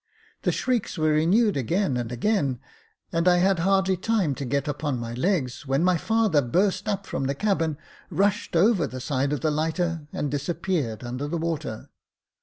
The shrieks were renewed again and again, and I had hardly time to get upon my legs when my father burst up from the cabin, rushed over the side of the lighter, and disappeared under the water.